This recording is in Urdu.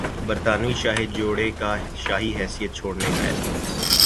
برطانوی شاہی جوڑے کا شاہی حیثیت چھوڑنے کا اعلان